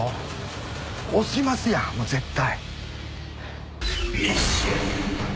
押しますやん絶対。